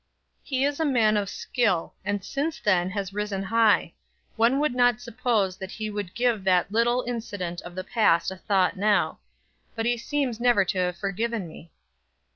He is a man of skill and since then has risen high; one would not suppose that he would give that little incident of the past a thought now; but he seems never to have forgiven me."